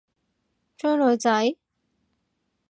追女仔？